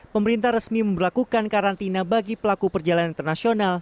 pemerintah resmi memperlakukan karantina bagi pelaku perjalanan internasional